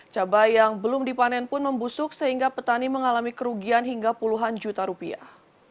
cabai yang belum dipanen pun membusuk sehingga petani mengalami kerugian hingga puluhan juta rupiah